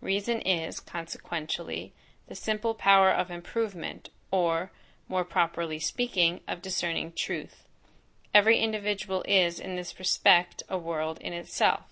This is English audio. Reason is, consequentially, the simple power of improvement; or, more properly speaking, of discerning truth. Every individual is in this respect a world in itself.